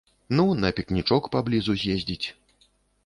Ну, на пікнічок паблізу з'ездзіць.